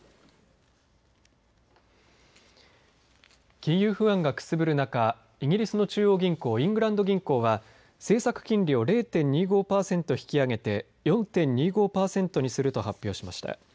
金融不安がくすぶる中、イギリスの中央銀行、イングランド銀行は、政策金利を０．２５％引き上げて、４．２５％にすると発表しました。